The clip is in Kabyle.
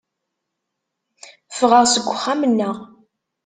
Ffɣeɣ seg uxxam-nneɣ.